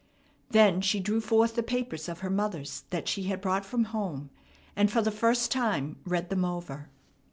Then she drew forth the papers of her mother's that she had brought from home, and for the first time read them over.